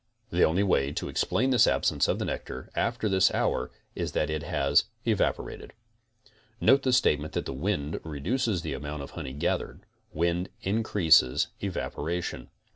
The only way to explain this absence of nectar after this hour is that it CONSTRUCTIVE BEEKEEPING 25 has evaporated. Note the statement that the wind reduces the amount of honey gathered. Wind increases evaporation.